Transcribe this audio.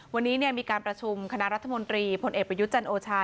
วันนี้มีการประชุมคณะรัฐมนตรีพลเอกประยุทธ์จันโอชา